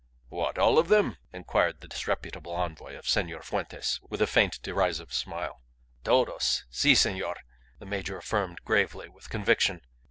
'" "What? All of them?" inquired the disreputable envoy of Senor Fuentes, with a faint, derisive smile. "Todos. Si, senor," the major affirmed, gravely, with conviction.